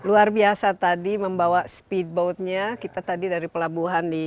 wah rabbi benaram seneng dua yaitu yg sijato kan